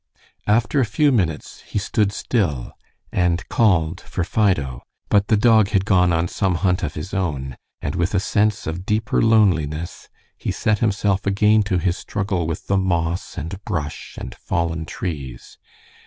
After a few minutes he stood still and called for Fido, but the dog had gone on some hunt of his own, and with a sense of deeper loneliness, he set himself again to his struggle with the moss and brush and fallen trees.